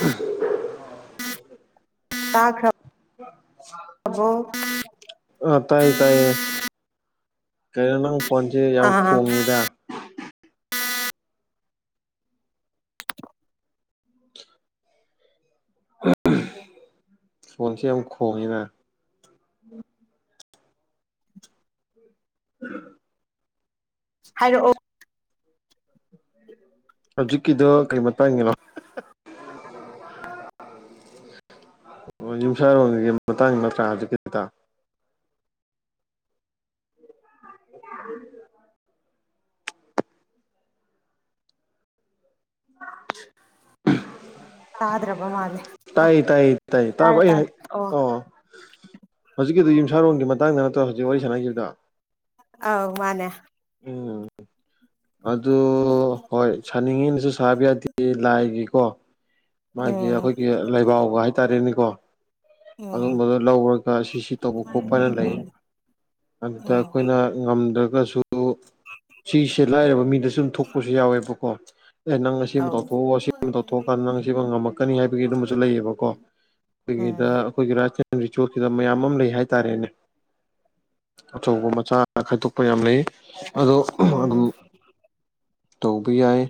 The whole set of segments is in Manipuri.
ꯎ ꯇꯥ ꯈ ꯑ ꯇꯌꯦ ꯇꯥꯏꯌꯦ ꯀꯩꯅꯣ ꯅꯪ ꯐꯣꯟꯁꯦ ꯌꯥꯝ ꯑꯥ ꯈꯣꯡꯉꯤꯗ ꯁꯣꯟꯁꯦ ꯌꯥꯝ ꯈꯣꯡꯉꯦꯗ ꯎꯝ ꯍꯥꯏꯔꯛꯑꯣ ꯍꯧꯖꯤꯛꯀꯤꯗ ꯀꯩ ꯃꯇꯥꯡꯉꯅꯣ ꯑꯣ ꯌꯨꯝꯁꯥꯔꯣꯜꯒꯤ ꯃꯇꯥꯡ ꯅꯇ꯭ꯔꯥ ꯑꯗꯨ ꯀ ꯇ [unintelligible] ꯇꯥꯗ꯭ꯔꯕ ꯃꯥꯜꯂꯦ [unintelligible] ꯑꯣ ꯇꯥꯏ ꯇꯥꯏ ꯇꯥꯏ ꯇꯥꯔꯦ ꯇꯥꯄ ꯇꯥꯔꯦ ꯍꯥꯏ ꯑꯣ ꯍꯧꯖꯤꯛ ꯀ ꯑꯗꯨ ꯃꯇꯥꯡꯗ ꯅꯠꯇꯣ ꯍꯧꯖꯤꯛ ꯋꯥꯔꯤ ꯁꯥꯟꯅꯈꯤꯕꯗ ꯑꯧ ꯃꯥꯅꯦ ꯎꯝ ꯑꯗꯨ ꯍꯣꯏ ꯁꯥꯅꯤꯡꯉꯤꯅꯁꯨ ꯁꯥꯕ ꯌꯥꯗꯦ ꯂꯥꯏꯒꯤꯀꯣ ꯃꯥꯒꯤ ꯎꯝ ꯑꯩꯈꯣꯏꯒꯤ ꯂꯩꯕꯥꯎꯒ ꯍꯥꯏꯇꯥꯔꯦꯅꯦꯀꯣ ꯎꯝ ꯑꯗꯨꯨꯝꯝꯕꯗꯨ ꯂꯧꯔꯒ ꯁꯤꯁꯤ ꯇꯧꯕ ꯈꯣꯠꯄ ꯍꯥꯏꯅ ꯂꯩ ꯑꯗꯨꯗ ꯎꯝ ꯑꯩꯈꯣꯏꯅ ꯉꯝꯗ꯭ꯔ ꯁꯨ ꯁꯤꯁꯦ ꯂꯥꯏꯔꯕ ꯃꯤꯗꯁꯨ ꯑꯗꯨꯝ ꯊꯣꯛꯄꯁꯨ ꯌꯥꯎꯋꯦꯕꯀꯣ ꯑꯦ ꯅꯪ ꯑꯁꯤ ꯑꯃ ꯑꯧ ꯇꯧꯊꯣꯛꯎ ꯑꯁꯤ ꯑꯃ ꯇꯧꯊꯑꯥꯟꯗ ꯅꯪ ꯑꯁꯤ ꯁꯤꯃ ꯉꯝꯃꯛꯀꯅꯤ ꯍꯥꯏꯒꯤ ꯑꯗꯨꯝ ꯑꯩꯈ ꯎꯝ ꯑꯩ ꯆꯣꯠꯗꯕ ꯃꯌꯥꯝ ꯑꯃ ꯂꯩ ꯍꯥꯏꯇꯥꯔꯦꯅꯦ ꯑꯆꯧꯕ ꯃꯆꯥ ꯈꯥꯏꯗꯣꯛꯄ ꯌꯥꯝ ꯂꯩ ꯑꯗꯣ ꯎꯝ ꯑꯗꯨꯝ ꯇꯧꯕ ꯌꯥꯏ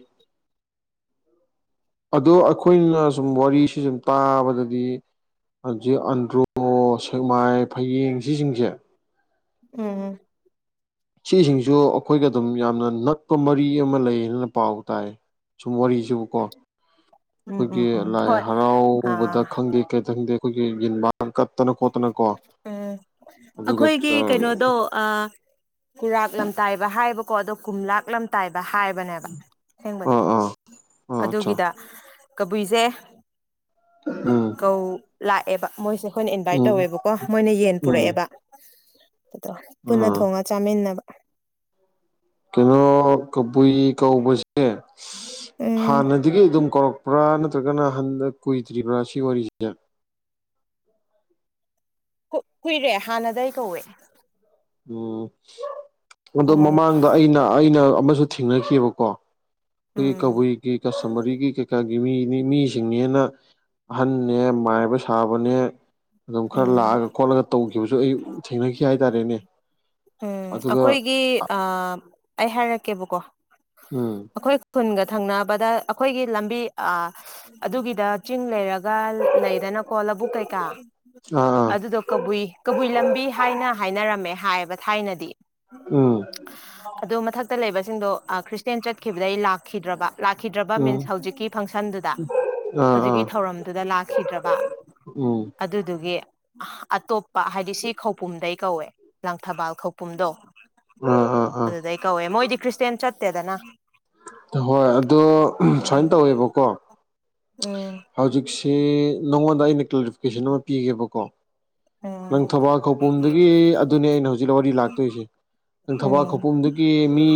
ꯑꯗꯣ ꯑꯩꯈꯣꯏꯅ ꯁꯨꯝ ꯋꯥꯔꯤꯁꯤ ꯁꯨꯝ ꯇꯥꯕꯗꯗꯤ ꯍꯧꯖꯤꯛ ꯑꯟꯗ꯭ꯔꯣ ꯁꯦꯛꯃꯥꯏ ꯐꯌꯦꯡ ꯁꯤꯁꯤꯡꯁꯦ ꯎꯝꯝ ꯁꯤꯁꯤꯡꯁꯨ ꯑꯩꯈꯣꯏꯒ ꯑꯗꯨꯝ ꯌꯥꯝꯅ ꯅꯛꯄ ꯃꯔꯤ ꯑꯃ ꯂꯩ ꯍꯥꯏꯅ ꯄꯥꯎ ꯇꯥꯏ ꯁꯨꯝ ꯋꯥꯔꯤꯁꯤꯕꯨꯀꯣ ꯎꯝ ꯑꯩꯈꯣꯏꯒꯤ ꯎꯝ ꯎꯝ ꯂꯥꯏ ꯍꯣꯏ ꯍꯔꯥꯎꯕꯗ ꯑꯥ ꯈꯪꯗꯦ ꯀꯩꯇ ꯈꯪꯗꯦ ꯑꯩꯈꯣꯏꯒꯤ ꯌꯦꯟꯕ ꯀꯠꯇꯅ ꯈꯣꯠꯇꯅꯀꯣ ꯎꯝ ꯑꯩꯈꯣꯏꯒꯤ ꯑꯥ ꯀꯩꯅꯣꯗꯣ ꯈꯨꯨꯔꯥꯛ ꯂꯝꯇꯥꯏꯕ ꯍꯥꯏꯕꯀꯣ ꯑꯗꯣ ꯀꯨꯝꯝꯂꯥꯛ ꯂꯝꯇꯥꯏꯕ ꯍꯥꯏꯕꯅꯦꯕ ꯑꯁꯦꯡꯕꯗꯤ ꯑꯥ ꯑꯥ ꯑꯠꯆꯥ ꯑꯗꯨꯒꯤꯗ ꯀꯕꯨꯏꯁꯦ ꯎꯝ ꯀꯧ ꯂꯥꯛꯑꯦꯕ ꯃꯣꯏꯁꯦ ꯑꯩꯈꯣꯏꯅ ꯏꯟꯚꯥꯏꯠ ꯎꯝ ꯇꯧꯋꯦꯕꯀꯣ ꯃꯣꯏꯅ ꯌꯦꯟ ꯎꯝ ꯄꯨꯔꯛꯑꯦꯕ ꯑꯗꯣ ꯄꯨꯟꯅ ꯑꯥ ꯊꯣꯡꯉ ꯆꯥꯃꯤꯟꯅꯕ ꯀꯩꯅꯣ ꯀꯕꯨꯏ ꯀꯧꯕꯁꯦ ꯎꯝ ꯍꯥꯟꯅꯗꯒꯤ ꯑꯗꯨꯝ ꯀꯧꯔꯛꯄ꯭ꯔꯥ ꯅꯠꯇ꯭ꯔꯒꯅ ꯑꯍꯟꯗ ꯀꯨꯏꯗ꯭ꯔꯤꯕ꯭ꯔꯥ ꯁꯤ ꯋꯥꯔꯤꯁꯤꯁꯦ ꯀꯨꯏꯔꯦ ꯍꯥꯟꯅꯗꯒꯤ ꯑꯩ ꯀꯧꯔꯦ ꯎꯝ ꯑꯗꯣ ꯃꯃꯥꯡꯗ ꯑꯩꯅ ꯑꯩꯅ ꯑꯃꯁꯨ ꯊꯦꯡꯅꯑꯕꯀꯣ ꯀ ꯎꯝ ꯀꯕꯨꯏꯒꯤ ꯀꯌꯥ ꯁꯃꯔꯤꯒꯤ ꯀ ꯀꯌꯥ ꯃꯤꯁꯤꯡꯅꯦꯅ ꯑꯍꯟꯅꯦ ꯃꯥꯏꯕ ꯁꯥꯕꯅꯦ ꯑꯗꯨꯝ ꯈꯔ ꯎꯝ ꯂꯥꯛꯑꯒ ꯈꯣꯠꯂꯒ ꯇꯧꯈꯤꯕꯁꯨ ꯑꯩ ꯊꯦꯡꯅꯈꯤ ꯍꯥꯏꯇꯥꯔꯦꯅꯦ ꯎꯝ ꯑꯗꯨꯒ ꯑꯩꯈꯣꯏꯒꯤ ꯑ ꯑꯩ ꯍꯥꯏꯔꯛꯀꯦꯕꯀꯣ ꯎꯝ ꯑꯩꯈꯣꯏ ꯈꯨꯟꯒ ꯊꯪꯅꯕꯗ ꯑꯩꯈꯣꯏꯒꯤ ꯂꯝꯕꯤ ꯑꯗꯨꯒꯤꯗ ꯆꯤꯡ ꯂꯩꯔꯒ ꯂꯩꯗꯅ ꯀꯣꯂꯕꯨꯛꯦ ꯀ ꯑꯥ ꯑꯥ ꯑꯗꯨꯗꯣ ꯀꯕꯨꯏ ꯀꯕꯨꯏ ꯂꯝꯕꯤ ꯍꯥꯏꯅ ꯍꯥꯏꯅꯔꯝꯃꯦ ꯍꯥꯏꯌꯦꯕ ꯊꯥꯏꯅꯗꯤ ꯎꯝ ꯑꯗꯨ ꯃꯊꯛꯇ ꯂꯩꯕꯁꯤꯡꯗꯣ ꯈ꯭ꯔꯤꯁꯇꯌꯥꯦꯟ ꯆꯠꯈꯤꯕꯗꯩ ꯂꯥꯛꯈꯤꯗ꯭ꯔꯕ ꯂꯥꯛꯈꯤꯗ꯭ꯔꯕ ꯎꯝ ꯃꯤꯟꯁ ꯍꯧꯖꯤꯛꯀꯤ ꯐꯪꯁꯟꯗꯨꯗ ꯑꯥ ꯍꯧꯖꯤꯛꯀꯤ ꯑꯥ ꯊꯧꯔꯝꯗꯨꯗ ꯂꯥꯛꯈꯤꯗ꯭ꯔꯕ ꯎꯝ ꯑꯗꯨꯗꯨꯒꯤ ꯑꯇꯣꯞꯄ ꯍꯥꯏꯗꯤ ꯁꯤ ꯈꯧꯄꯨꯝꯗꯩ ꯀꯧꯋꯦ ꯂꯥꯡꯊꯕꯥꯜ ꯈꯧꯄꯨꯝꯗꯣ ꯑꯥ ꯑꯥ ꯑꯥ ꯑꯗꯨꯗꯩ ꯀꯧꯋꯦ ꯃꯣꯏꯗꯤ ꯈ꯭ꯔꯤꯁꯇꯌꯥꯦꯟ ꯆꯠꯇꯦꯗꯅ ꯍꯣꯏ ꯑꯗꯣ ꯎꯝ ꯁꯨꯃꯥꯏꯅ ꯇꯧꯋꯦꯕꯀꯣ ꯎꯝ ꯍꯧꯖꯤꯛꯁꯦ ꯅꯉꯣꯟꯗ ꯑꯩꯅ ꯀ꯭ꯂꯥꯔꯤꯐꯤꯀꯦꯁꯟ ꯑꯃ ꯄꯤꯒꯦꯕꯀꯣ ꯎꯝ ꯅꯪ ꯊꯧꯕꯥꯜ ꯈꯧꯄꯨꯝꯗꯒꯤ ꯑꯗꯨꯅꯦ ꯑꯩꯅ ꯍꯧꯖꯤꯛ ꯋꯥꯔꯤ ꯂꯥꯛꯇꯣꯏꯁꯦ ꯅꯪ ꯊꯕꯥꯜ ꯎꯝ ꯈꯨꯄꯨꯝꯗꯨꯒꯤ ꯃꯤ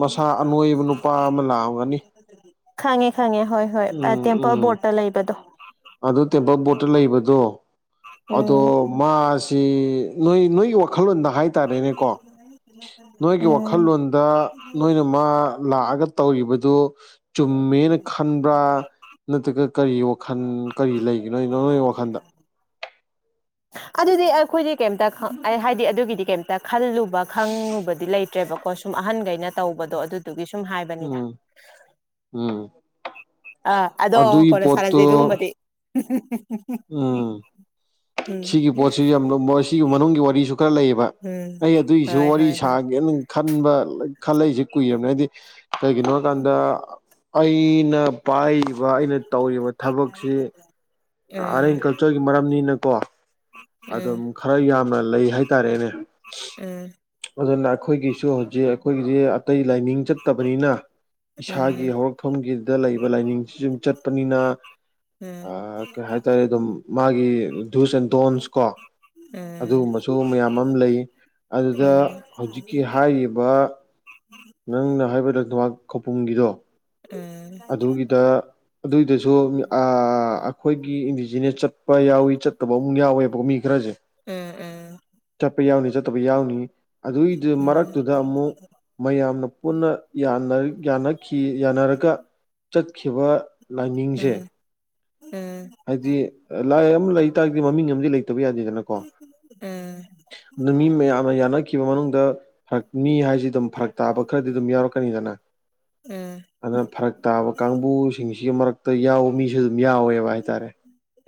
ꯃꯁꯥ ꯑꯅꯣꯏꯕ ꯅꯨꯄꯥ ꯑꯃ ꯂꯥꯛꯑꯝꯒꯅꯤ ꯈꯪꯉꯦ ꯈꯪꯉꯦ ꯍꯣꯏ ꯍꯣꯏ ꯎꯝ ꯇꯦꯝꯄꯜ ꯎꯝ ꯕꯣꯔꯠꯇ ꯂꯩꯕꯗꯣ ꯑꯗꯨ ꯇꯦꯝꯕꯜ ꯕꯣꯔꯠꯇ ꯂꯩꯕꯗꯣ ꯑꯗꯣ ꯎꯝ ꯃꯥꯁꯤ ꯅꯣꯏ ꯅꯣꯏꯒꯤ ꯋꯥꯈꯜꯂꯣꯟꯗ ꯍꯥꯏꯇꯥꯔꯦꯅꯦꯀꯣ ꯅꯣꯏꯒꯤ ꯎꯝ ꯋꯥꯈꯜꯂꯣꯟꯗ ꯅꯣꯏꯅ ꯃꯥ ꯂꯥꯛꯑꯒ ꯇꯧꯔꯤꯕꯗꯨ ꯆꯨꯝꯃꯦꯅ ꯈꯟꯕ꯭ꯔꯥ ꯅꯠꯇ꯭ꯔꯒ ꯀꯔꯤ ꯋꯥꯈꯟ ꯀꯔꯤ ꯂꯩꯒꯤꯅꯣꯅꯣ ꯅꯣꯏꯒꯤ ꯋꯥꯈꯟꯗ ꯑꯗꯨꯗꯤ ꯑꯩꯈꯣꯏꯗꯤ ꯀꯩꯝꯇ ꯍꯥꯏꯗꯤ ꯑꯗꯨꯒꯤꯗꯤ ꯀꯩꯝꯇ ꯈꯜꯂꯨꯕ ꯈꯪꯉꯨꯕꯗꯤ ꯂꯩꯇ꯭ꯔꯦꯕꯀꯣ ꯁꯨꯝ ꯑꯍꯟꯈꯩꯅ ꯇꯧꯕꯗꯣ ꯑꯗꯨ ꯑꯗꯨꯒꯤ ꯁꯨꯝ ꯍꯥꯏꯕꯅꯤꯗ ꯎꯝ ꯎꯝ ꯑꯥ ꯑꯗꯣ ꯑꯗꯨꯒꯤ ꯀꯣꯟꯅ ꯄꯣꯠꯇꯨ ꯁꯥꯟꯅꯖꯩ ꯑꯗꯨꯒꯨꯝꯕꯗꯤ ꯎꯝ ꯎꯝ ꯁꯤꯒꯤ ꯄꯣꯠꯁꯤ ꯌꯥꯝ ꯁꯤꯒꯤ ꯃꯅꯨꯡꯒꯤ ꯋꯥꯔꯤꯁꯨ ꯈꯔ ꯂꯩꯌꯦꯕ ꯎꯝ ꯑꯩ ꯑꯗꯨꯒꯤꯁꯨ ꯍꯣꯏ ꯋꯥꯔꯤ ꯍꯣꯏ ꯍꯣꯏ ꯁꯥꯒꯦꯅ ꯈꯟꯕ ꯈꯜꯂꯛꯏꯁꯦ ꯀꯨꯏꯔꯕꯅꯦ ꯍꯥꯏꯗꯤ ꯀꯩꯒꯤꯅꯣ ꯍꯥꯏꯀꯥꯟꯗ ꯑꯩꯅ ꯄꯥꯏꯔꯤꯕ ꯑꯩꯅ ꯇꯧꯔꯤꯕ ꯊꯕꯛꯁꯤ ꯎꯝ ꯑꯥꯔꯠ ꯑꯦꯟ ꯀꯜꯆꯔꯒꯤ ꯃꯔꯝꯅꯤꯅꯀꯣ ꯑꯗꯨꯝ ꯎꯝ ꯈꯔ ꯌꯥꯝꯅ ꯂꯩ ꯍꯥꯏꯇꯥꯔꯦꯅꯦ ꯎꯝ ꯑꯗꯨꯅ ꯑꯩꯈꯣꯏꯒꯤꯁꯨ ꯍꯧꯖꯤꯛ ꯑꯩꯈꯣꯏꯒꯤꯗꯤ ꯑꯇꯩ ꯂꯥꯏꯅꯤꯡ ꯆꯠꯇꯕꯅꯤꯅ ꯎꯝ ꯏꯁꯥꯒꯤ ꯍꯧꯔꯛꯐꯝꯒꯤ ꯗ ꯂꯩꯕ ꯂꯥꯏꯅꯤꯡꯁꯤꯁꯨꯨꯝ ꯆꯠꯄꯅꯤꯅ ꯎꯝ ꯀꯩ ꯍꯥꯏꯇꯥꯔꯦ ꯑꯗꯨꯝ ꯃꯥꯒꯤ ꯙꯨꯁ ꯑꯦꯟ ꯇꯣꯟꯁ ꯎ ꯑꯗꯨꯒꯨꯝꯕꯁꯨ ꯃꯌꯥꯝ ꯑꯃ ꯂꯩ ꯑꯗꯨꯗ ꯍꯧꯖꯤꯛꯀꯤ ꯍꯥꯏꯔꯤꯕ ꯅꯪꯅ ꯍꯥꯏꯕꯗ ꯅꯍ ꯈꯧꯄꯨꯝꯒꯤꯗꯣ ꯎꯝ ꯑꯗꯨꯒꯤꯗ ꯑꯗꯨꯏꯗꯁꯨ ꯑꯩꯈꯣꯏꯒꯤ ꯏꯟꯗꯤꯖꯤꯅ꯭ꯁ ꯆꯠꯄ ꯌꯥꯎꯋꯤ ꯆꯠꯇꯕ ꯑꯃꯨꯛ ꯌꯥꯎꯋꯦꯕꯀ ꯃꯤ ꯈꯔ [unintelligible] ꯆꯠꯄ ꯌꯥꯎꯅꯤ ꯆꯠꯇꯕ ꯌꯥꯎꯅꯤ ꯑꯗꯨꯏꯗꯨ ꯃꯔꯛꯇꯨꯗ ꯑꯃꯨꯛ ꯃꯌꯥꯝꯅ ꯄꯨꯟꯅ ꯌꯥꯅꯈꯤ ꯌꯥꯅꯔꯒ ꯆꯠꯈꯤꯕ ꯂꯥꯏꯅꯤꯡꯡꯁꯦ ꯍꯥꯏꯗꯤ ꯂꯥꯏ ꯑꯃ ꯂꯩꯇꯥꯥꯔꯗꯤ ꯃꯃꯤꯡ ꯑꯃꯗꯤ ꯂꯩꯇ ꯇꯕ ꯌꯥꯗꯦꯗꯅꯀꯣ ꯑꯗꯨ ꯃꯤ ꯃꯌꯥꯝꯅ ꯌꯥꯅꯈꯤꯕ ꯃꯅꯨꯡꯗ ꯍ ꯃꯤ ꯍꯥꯏꯁꯤ ꯑꯗꯨ ꯐꯔꯛ ꯇꯥꯕ ꯈꯔꯗꯤ ꯑꯗꯨꯝ ꯌꯥꯎꯔꯛꯀꯅꯤꯗꯅ ꯑꯗꯨꯅ ꯐꯔꯛ ꯇꯥꯕ ꯀꯥꯡꯕꯨꯁꯤꯡꯁꯤꯒꯤ ꯃꯔꯛ ꯌꯥꯎꯕ ꯃꯤꯁꯨ ꯑꯗꯨꯝ ꯌꯥꯎꯋꯦꯕ ꯍꯥꯏꯇꯥꯔꯦ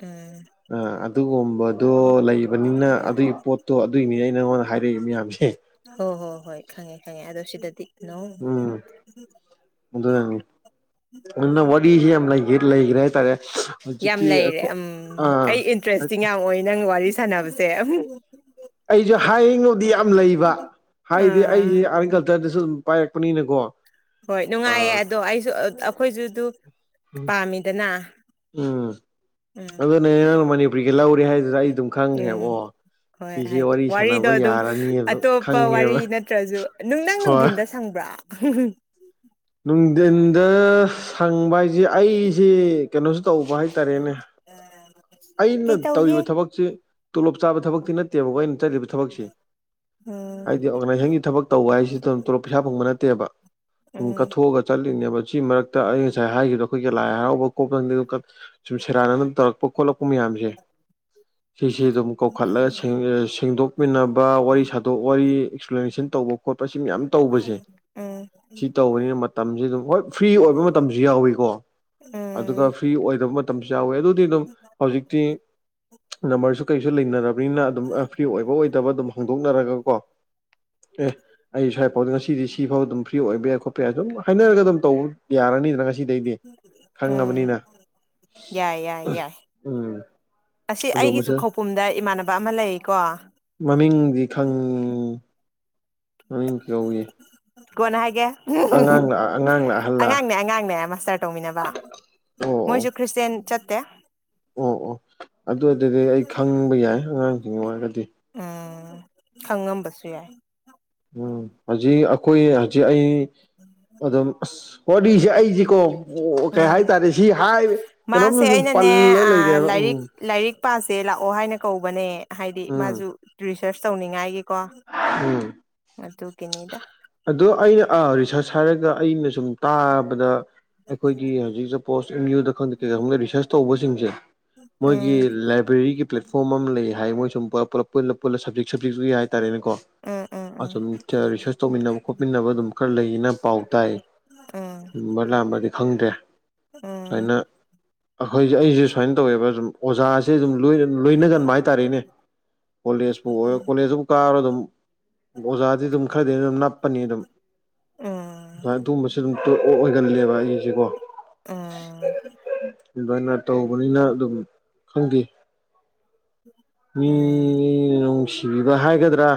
ꯎꯝ ꯑ ꯑꯗꯨꯒꯨꯝꯕꯗꯣ ꯂꯩꯕꯅꯤꯅ ꯑꯗꯨꯒꯤ ꯄꯣꯠꯇꯣ ꯑꯗꯨꯒꯤꯅꯤꯅꯦ ꯑ ꯅꯪꯉꯣꯟꯗ ꯍꯥꯏꯔꯛꯏ ꯃꯌꯥꯝꯁꯦ ꯍꯣ ꯍꯣ ꯍꯣꯏ ꯈꯪꯉꯦ ꯈꯪꯉꯦ ꯑꯗꯣ ꯁꯤꯗꯗꯤ ꯅꯣ ꯎꯝ ꯑꯗꯨꯟꯅ ꯀꯔꯤꯁꯤ ꯌꯥꯝ ꯂꯩꯦ ꯂꯩꯈ꯭ꯔꯦ ꯍꯥꯏꯇꯥꯔꯦ ꯌꯥꯝ ꯍꯧꯖꯤꯛꯀꯤ ꯂꯩꯔꯦ ꯎꯝ ꯑꯥ ꯑꯩ ꯏꯟꯇꯔꯦꯁꯇꯤꯡ ꯌꯥꯝ ꯑꯣꯏ ꯅꯪ ꯋꯥꯔꯤ ꯁꯥꯟꯅꯕꯁꯦꯝ ꯑꯩꯁꯨ ꯍꯥꯏꯉꯕꯨꯗꯤ ꯌꯥꯝ ꯂꯩꯕ ꯍꯥꯏꯗꯤ ꯑꯩꯁꯦ ꯑꯥ ꯑꯥꯔꯠ ꯑꯦꯟ ꯀꯜꯆꯔꯗꯁꯨ ꯑꯗꯨꯝ ꯄꯥꯏꯔꯛꯄꯅꯤꯅꯀꯣ ꯍꯣꯏ ꯅꯨꯡꯉꯥꯏꯌꯦꯦ ꯑꯗꯣ ꯑꯩꯁꯨ ꯑꯩꯈꯣꯏꯁꯨ ꯑꯗꯨ ꯄꯥꯝꯃꯤꯗꯅ ꯎꯝ ꯎꯝ ꯑꯗꯨ ꯅ ꯅꯪ ꯃꯅꯤꯄꯨꯔꯤꯒꯤ ꯂꯧꯔꯦ ꯍꯥꯏꯗꯨꯗ ꯑꯩ ꯑꯗꯨꯝ ꯈꯪꯈ꯭ꯔꯦꯕ ꯎꯝ ꯑꯣ ꯍꯣꯏ ꯁꯤꯁꯦ ꯍꯥꯏꯗꯤ ꯋꯥꯔꯤ ꯋꯥꯔꯤꯗꯣ ꯁꯥꯟꯅꯕ ꯑꯗꯨꯝ ꯌꯥꯔꯅꯤꯕ ꯑꯇꯣꯞꯄ ꯋꯥꯔꯤ ꯈꯪꯉꯦꯕ ꯅꯠꯇ꯭ꯔꯁꯨ ꯅꯨꯡꯊꯪ ꯍꯣꯏ ꯅꯨꯡꯊꯤꯟꯗ ꯁꯪꯕ꯭ꯔꯥ ꯎ ꯅꯨꯡꯊꯤꯟꯗ ꯁꯪꯕ ꯍꯥꯏꯁꯦ ꯑꯩꯁꯦ ꯀꯩꯅꯣꯁꯨ ꯇꯧꯕ ꯍꯥꯏꯇꯥꯔꯦꯅꯦ ꯑꯩꯅ ꯀꯩꯇꯧꯒꯦ ꯇꯧꯔꯤꯕ ꯊꯕꯛꯁꯤ ꯇꯣꯂꯣꯞ ꯆꯥꯕ ꯊꯕꯛꯇꯤ ꯅꯠꯇꯦꯕꯀꯣ ꯑꯩꯅ ꯆꯠꯂꯤꯕ ꯊꯕꯛꯁꯤ ꯎꯝ ꯍꯥꯏꯗꯤ ꯑꯣꯔꯒꯅꯥꯏꯖꯦꯁꯟꯒꯤ ꯊꯕꯛ ꯇꯧꯕ ꯍꯥꯏꯁꯤꯗꯂꯞ ꯄꯩꯁꯥ ꯐꯪꯕ ꯅꯠꯇꯦꯕ ꯑꯗꯨꯝ ꯎꯝ ꯀꯠꯊꯣꯛꯑꯒ ꯆꯠꯂꯤ ꯤꯡꯅꯦꯕ ꯁꯤ ꯃꯔꯛꯇ ꯑꯩ ꯉꯁꯥꯏ ꯍꯥꯏꯈꯤꯕꯗꯣ ꯑꯩꯈꯣꯏꯒꯤ ꯂꯥꯏ ꯍꯔꯥꯎꯕ ꯀꯣꯇꯪ ꯁꯨꯝ ꯁꯦꯔꯥꯟꯅꯅ ꯇꯧꯔꯛꯄ ꯎꯃꯤꯌꯥꯝꯝꯁꯦ ꯁꯤꯁ ꯑꯗꯨꯝ ꯀꯧꯈꯠꯂꯒ ꯁꯦꯡꯗꯣꯛꯃꯤꯟꯅꯕ ꯋꯥꯔꯤ ꯁꯥꯗꯣꯛ ꯋꯥꯔꯤ ꯑꯦꯛꯁꯄ꯭ꯂꯦꯅꯦꯁꯟ ꯃꯁꯤ ꯃꯌꯥꯝ ꯇꯧꯕꯁꯦ ꯎꯝ ꯁꯤ ꯇꯧꯕꯅꯤꯅ ꯃꯇꯝꯁꯦ ꯑꯗꯨꯝ ꯍꯣꯏ ꯐ꯭ꯔꯤ ꯑꯣꯏꯕ ꯃꯇꯝꯁꯨ ꯌꯥꯎꯏꯤꯀꯣ ꯎꯝ ꯑꯗꯨꯒ ꯐ꯭ꯔꯤ ꯑꯣꯏꯗꯕ ꯑꯗꯨꯝ ꯍꯧ ꯀ ꯅ ꯑꯗꯨꯝ ꯐ꯭ꯔꯤ ꯑꯣꯏꯕ ꯑꯣꯏꯗꯕ ꯑꯗꯨꯝ ꯍꯧꯗꯣꯛꯅꯔꯒ ꯀꯣ ꯑꯦ ꯑꯩ ꯁ꯭ꯋꯥꯏꯐꯥꯎꯗ ꯉꯁꯤꯗꯤ ꯁꯤꯐꯥꯎ ꯑꯗꯨꯝ ꯐ꯭ꯔꯤ ꯑꯣꯏꯕ ꯌꯥꯏ ꯈꯣꯠꯄ ꯌꯥꯏ ꯑꯗꯨꯝ ꯍꯥꯏꯅꯔꯒ ꯑꯗꯨꯝ ꯇꯧꯕ ꯌꯥꯔꯅꯤꯗꯅ ꯉ ꯑꯁꯤꯗꯩꯗꯤ ꯎꯝ ꯈꯪꯉꯕꯅꯤꯅ ꯌꯥꯏ ꯌꯥꯏ ꯎꯝ [inaudible] ꯑꯁꯤ ꯑꯗꯣ ꯑꯩꯒꯤꯁꯨ ꯃꯁꯤ ꯈꯧꯄꯨꯝꯗ ꯏꯃꯥꯟꯅꯕ ꯑꯃ ꯂꯩꯀꯣ ꯎ ꯅ ꯀꯣꯦ ꯀꯅ ꯍꯥꯏꯒꯦ ꯑꯉꯥꯡ ꯑꯉꯥꯡ ꯑꯉꯥꯡꯅꯦ ꯑꯉꯥꯡꯅꯦ ꯃꯥꯁꯇꯔ ꯇꯧꯃꯤꯟꯅꯕ ꯃꯣꯏꯁꯨ ꯑꯣ ꯑꯣ ꯈ꯭ꯔꯤꯁꯇꯦꯟ ꯆꯠꯇꯦ ꯑꯣ ꯑꯣ ꯑꯗꯨ ꯑꯗꯨꯗꯤ ꯑꯩ ꯈꯪꯕ ꯌꯥꯏ ꯑꯉꯥꯡꯁꯤꯡ ꯑꯣꯏꯔꯒꯗꯤ ꯎ ꯈꯪꯉꯝꯕꯁꯨ ꯌꯥꯏ ꯎꯝ ꯍꯧꯖꯤꯛ ꯑꯩꯈꯣꯏ ꯍꯧꯖꯤꯛ ꯑꯩ ꯑꯗꯨꯝ ꯑꯁ ꯋꯥꯔꯤꯁꯦ ꯑꯩꯁ ꯀꯣ ꯀꯩ ꯎꯝ ꯍꯥꯏꯇꯥꯔꯦ ꯁꯤ ꯍꯥꯏ ꯀꯩꯅꯣꯝꯅ ꯃꯥꯁꯦ ꯁꯨꯝ ꯄꯜꯂꯒ ꯂꯩꯔꯦꯕ ꯎꯝ ꯃꯥꯁꯦ ꯂꯥꯛꯑꯣ ꯍꯥꯏꯅ ꯀꯧꯕꯅꯦ ꯍꯥꯏꯗꯤ ꯎꯝ ꯃꯥꯁꯨ ꯔꯤꯁꯔꯁ ꯇꯧꯅꯤꯡꯉꯥꯏꯒꯤ ꯎꯝ ꯑꯗꯣ ꯑꯩꯅ ꯔꯤꯁꯔꯁ ꯍꯥꯏꯔꯒ ꯑꯩꯅ ꯁꯨꯝ ꯇꯥꯕꯗ ꯑꯩꯈꯣꯏꯒꯤ ꯍꯧꯖꯤꯛꯁꯦ ꯄꯣꯁ ꯑꯦꯝ ꯌꯨꯗ ꯈꯪꯗꯦ ꯀꯩꯀ ꯈꯒ ꯔꯤꯁꯔꯁ ꯇꯧꯕꯁꯤꯡꯁꯦ ꯃꯣꯏꯒꯤ ꯎꯝ ꯂꯥꯏꯕ꯭ꯔꯦꯔꯤꯒꯤ ꯄ꯭ꯂꯦꯠꯐꯣꯝ ꯑꯃ ꯂꯩ ꯍꯥꯏ ꯃꯣꯏ ꯁꯨꯝ ꯄꯨ ꯄꯨꯂꯞ ꯄꯨꯂ ꯄꯨꯂ ꯁꯞꯖꯦꯛ ꯁꯞꯖꯦꯛꯛꯇꯨ ꯍꯥꯏꯇꯥꯔꯦꯅꯦꯀꯣꯝ ꯎꯝ ꯎꯝ ꯔꯤꯁꯔꯁ ꯇꯧꯃꯤꯟꯅꯕ ꯈꯣꯠꯃꯤꯟꯅꯕ ꯑꯗꯨꯝ ꯈꯔ ꯂꯩꯌꯦꯅ ꯄꯥꯎ ꯇꯥꯏ ꯎꯝ ꯁꯨꯝꯕ ꯂꯥꯛꯝꯕꯗꯤ ꯈꯪꯗ꯭ꯔꯦ ꯎꯝ ꯁꯨꯃꯥꯏꯅ ꯑꯩꯈꯣꯏꯁꯦ ꯑꯩꯁꯦ ꯁꯨꯃꯥꯏꯅ ꯇꯧꯋꯦꯕ ꯑꯗꯨꯝ ꯑꯣꯖꯥꯁꯦ ꯑꯗꯨꯝ ꯂꯣꯏꯅꯒꯟꯕ ꯍꯥꯏꯇꯥꯔꯦꯅꯦ ꯀꯣꯂꯦꯖꯄꯨ ꯑꯣꯏ ꯀꯣꯂꯦꯖꯇ ꯑꯣꯖꯥꯗꯤ ꯑꯗꯨꯝ ꯈꯔꯗꯤ ꯑꯗꯨꯝ ꯅꯞꯄꯅꯤ ꯑꯗꯨꯝ ꯎꯝ ꯑꯗꯨꯃ ꯑꯗꯨꯒꯨꯝꯕꯁꯨ ꯑꯗꯨꯝ ꯑꯣꯏꯒꯜꯂꯦꯕ ꯑꯩꯁꯦꯀꯣ ꯎꯝ ꯑꯗꯨꯃꯥꯏꯅ ꯇꯧꯕꯅꯤꯅ ꯑꯗꯨꯝ ꯈꯪꯈꯤ ꯃꯤ ꯎꯝ ꯎꯝ ꯅꯨꯡꯁꯤꯕꯤꯕ ꯍꯥꯏꯒꯗ꯭ꯔꯥ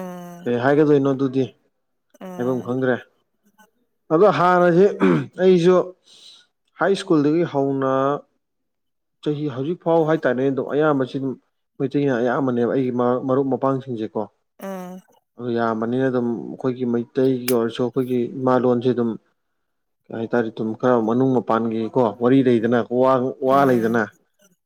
ꯎꯝ ꯀꯩ ꯍꯥꯏꯒꯗꯣꯏꯅꯣ ꯑꯗꯨꯗꯤ ꯍꯥꯏꯐꯝ ꯈꯪꯗ꯭ꯔꯦ ꯑꯕ ꯍꯥꯟꯅꯁ ꯑꯩꯁꯨ ꯍꯥꯏ ꯁ꯭ꯀꯨꯜꯗꯒꯤ ꯍꯧꯅ ꯆꯍꯤ ꯍꯧꯖꯤꯛ ꯐꯥꯎ ꯍꯥꯏꯇꯥꯔꯦꯅꯦ ꯑꯗꯨꯝ ꯑꯌꯥꯝꯕꯁꯤ ꯑꯗꯨꯝ ꯃꯩꯇꯩꯅ ꯑꯌꯥꯝꯕꯅꯦꯕ ꯑꯩꯒꯤ ꯃꯔ ꯃꯔꯨꯞ ꯃꯄꯥꯡꯁꯤꯡꯁꯦ ꯣ ꯎꯝ ꯎꯝ ꯑꯗꯨ ꯌꯥꯝ ꯅꯤꯅ ꯑꯗꯨꯝ ꯑꯩꯈꯣꯏꯒꯤ ꯃꯩꯇꯩꯒꯤ ꯑꯣꯏꯔꯁꯨ ꯑꯩꯈꯣꯏꯒꯤ ꯏꯃꯥ ꯂꯣꯟꯁꯦ ꯑꯗꯨꯝ ꯀꯩ ꯍꯥꯏꯇꯥꯔꯦ ꯑꯗꯨꯨꯝ ꯈꯔ ꯃꯅꯨꯡ ꯃꯄꯥꯟꯒꯤꯀꯣ ꯋꯥꯔꯤ ꯂꯩꯗꯅ ꯋꯥ ꯎꯝ ꯂꯩꯗꯅ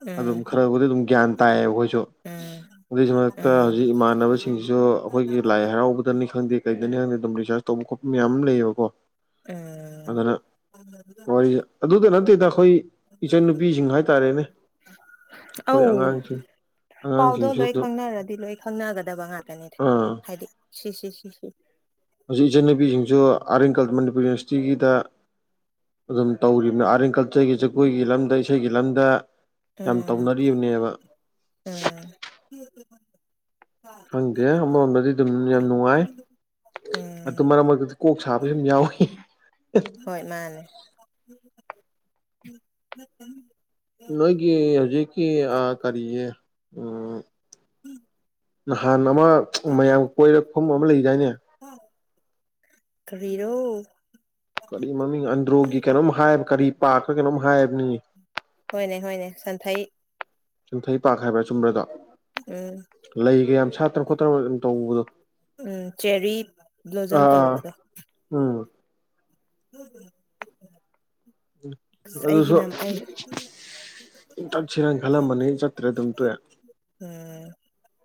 ꯎꯝ ꯑꯗꯨꯝ ꯈꯔꯕꯨꯗꯤ ꯑꯗꯨꯝ ꯒ꯭ꯌꯥꯟ ꯇꯥꯏꯌꯦ ꯑꯩꯈꯣꯏꯁꯨ ꯎꯝ ꯑꯗꯨꯏꯁꯨ ꯃꯔꯛꯇ ꯎꯝ ꯍꯧꯖꯤꯛ ꯏꯃꯥꯟꯅꯕꯁꯤꯡꯁꯤꯁꯨ ꯑꯩꯈꯣꯏꯒꯤ ꯂꯥꯏ ꯍꯔꯥꯎꯕꯗꯅꯤ ꯈꯪꯗꯦ ꯀꯩꯗꯅꯤ ꯈꯪꯗꯦ ꯑꯗꯨꯝ ꯔꯤꯁꯥꯔꯁ ꯇꯧꯕ ꯈꯣꯠꯄ ꯃꯌꯥꯝ ꯑꯃ ꯂꯩꯌꯦꯕꯀꯣ ꯎꯝ ꯑꯗꯨꯅ ꯋꯥꯔꯤ ꯑꯗꯨꯗ ꯅꯠꯇꯦꯗ ꯑꯩꯈꯣꯏ ꯏꯆꯟꯅꯨꯄꯤꯁꯤꯡ ꯍꯥꯏ ꯀꯔꯤꯅꯦ ꯑꯩꯈꯣꯏ ꯑꯧ ꯑꯉꯥꯡꯁꯤꯡ ꯄꯥꯎꯗꯣ ꯑꯉꯥꯡꯁꯤꯡꯁꯨ ꯂꯣꯏ ꯑꯗꯨ ꯈꯪꯅꯔꯗꯤ ꯂꯣꯏ ꯈꯪꯅꯒꯗꯕ ꯉꯥꯛꯇꯅꯤ ꯑꯥ ꯍꯥꯏꯗꯤ ꯁꯤ ꯁꯤ ꯁꯤ ꯁꯤ ꯍꯧꯖꯤꯛ ꯏꯆꯟꯅꯨꯄꯤꯁꯤꯡꯁꯨ ꯑꯥꯔꯠ ꯑꯦꯟ ꯀꯜꯆꯔ ꯃꯅꯤꯄꯨꯔ ꯌꯨꯅꯤꯚꯔꯁꯤꯇꯤꯒꯤꯗ ꯑꯗꯨꯝ ꯇꯧꯔꯤꯕꯅꯤ ꯑꯥꯔꯠ ꯑꯦꯟ ꯀꯜꯆꯔꯒꯤ ꯖꯒꯣꯏꯒꯤ ꯂꯝꯗ ꯏꯁꯩꯒꯤ ꯂꯝꯗ ꯌꯥꯝ ꯎꯝ ꯇꯧꯅꯔꯤꯕꯅꯦꯕ ꯎꯝ ꯈꯪꯗꯦ ꯑꯃꯔꯣꯝꯗꯗꯤ ꯑꯗꯨꯝ ꯌꯥꯝ ꯅꯨꯡꯉꯥꯏ ꯑꯗꯨ ꯎꯝ ꯃꯔꯛ ꯃꯔꯛꯇꯗꯤ ꯀꯣꯛ ꯁꯥꯕꯁꯨ ꯑꯗꯨꯨꯝ ꯌꯥꯎꯏꯤ ꯍꯣꯏ ꯃꯥꯅꯦ ꯅꯣꯏꯒꯤ ꯍꯧꯖꯤꯛꯀꯤ ꯀꯔꯤꯁ ꯎꯝ ꯎꯝ ꯅꯍꯥꯟ ꯑꯃ ꯃꯌꯥꯝ ꯀꯣꯏꯔ ꯐꯐꯝ ꯑꯃ ꯂꯩꯗꯥꯏꯅꯦ ꯀꯔꯣ ꯀꯔꯤ ꯃꯃꯤꯡ ꯑꯟꯗ꯭ꯔꯣꯒꯤ ꯀꯩꯅꯣꯝ ꯍꯥꯏꯕ ꯀꯔꯤ ꯄꯥꯛꯈ ꯀꯩꯅꯣꯝ ꯍꯥꯏꯕꯅꯤ ꯍꯣꯏꯅꯦ ꯍꯣꯏꯅꯦ ꯁꯟꯊ ꯌꯨꯝꯊꯩ ꯄꯥ ꯍꯥꯏꯕ꯭ꯔꯥ ꯆꯨꯝꯕ꯭ꯔꯗꯣ ꯎꯝ ꯂꯩꯒ ꯌꯥꯝ ꯁꯥꯠꯇꯅ ꯈꯣꯠꯇꯅ ꯑꯗꯨ ꯇꯧꯕꯗꯣ ꯎꯝ ꯆꯦꯔꯤ ꯕ꯭ꯂꯣꯖꯝ ꯑꯥ ꯇꯧꯕꯗꯣ ꯎꯝ ꯎꯝ ꯍꯝ ꯎ ꯑꯗꯨꯁꯨ ꯆꯠꯁꯤꯔ ꯈꯜꯂꯝꯃꯅꯤ ꯆꯠꯇ꯭ꯔꯦ ꯑꯗꯨꯝ ꯇꯨꯦ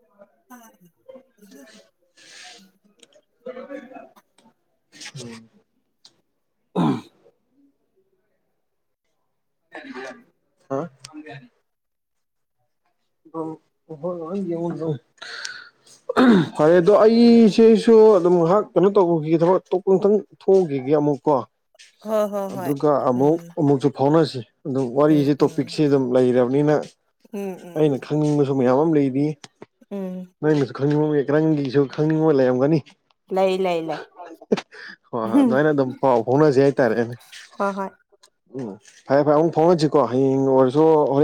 ꯑ [unintelligible] [unintelligible] ꯑ ꯍ ꯋꯥ ꯌꯦ ꯐꯔꯦ ꯑꯗꯣ ꯑꯩꯁꯦꯁꯨ ꯑꯗꯨꯝ ꯉꯥꯏꯍꯥꯛ ꯀꯩꯅꯣ ꯇꯧꯕꯈꯤ ꯊꯕꯛꯇꯄꯇꯪ ꯊꯣꯛꯎꯈꯤ ꯑꯃꯨꯛꯀꯣ ꯍꯣꯏ ꯍꯣꯏ ꯍꯣꯏ ꯑꯗꯨꯒ ꯑꯃꯨꯛ ꯎꯝ ꯑꯃꯨꯛꯁꯨ ꯐꯥꯎꯅꯁꯤ ꯑꯗꯨꯝ ꯎꯝ ꯋꯥꯔꯤꯁꯦ ꯎꯝ ꯇꯣꯄꯤꯛꯁꯦ ꯑꯗꯨꯝ ꯂꯩꯔꯕꯅꯤꯅ ꯎꯝ ꯎꯝ ꯑꯩꯅ ꯎꯝ ꯈꯪꯅꯤꯡꯕ ꯁ ꯃꯌꯥꯝ ꯑꯃ ꯂꯩꯔꯤ ꯎꯝ ꯅꯪꯅꯁꯨ ꯈꯪꯅꯤꯡꯕ ꯃꯤ ꯀꯔꯪꯒꯤꯁꯨ ꯈꯪꯅꯤꯡꯕ ꯂꯩꯔꯝꯒꯅꯤ ꯂꯩ ꯂꯩ ꯂꯩ ꯍꯣꯏ ꯍꯣꯏ ꯑꯗꯨꯥꯏꯅ ꯑꯗꯨꯝ ꯄꯥꯎ ꯐꯥꯎꯅꯖꯩ ꯍꯥꯏꯇꯥꯔꯦꯅꯦ ꯍꯣꯏ ꯍꯣꯏ ꯎꯝ ꯐꯔꯦ ꯐꯔꯦ ꯑꯃꯨꯛ ꯐꯣꯡꯅꯁꯤꯀꯣ ꯍꯌꯦꯡ ꯑꯣꯏꯔꯁꯨ ꯍ